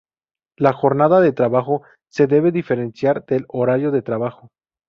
La jornada de trabajo se debe diferenciar del "horario de trabajo".